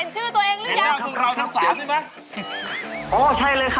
สุดยอดเลย